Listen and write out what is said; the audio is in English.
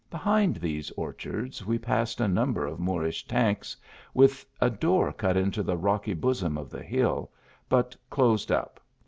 Behind these orchards we passed a number of Moorish tanks, wilh a door cut into the rocky bosom of the hill, but closed up.